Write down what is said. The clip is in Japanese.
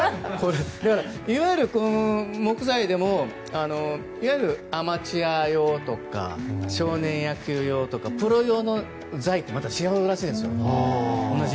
いわゆる木材でもアマチュア用とか少年野球用とかプロ用の材とは違うらしいんですよね。